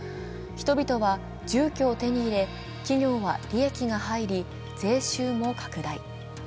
人々は住居を手に入れ、企業は利益が入り、税収も拡大。